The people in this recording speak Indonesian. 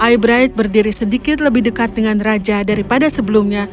hybrite berdiri sedikit lebih dekat dengan raja daripada sebelumnya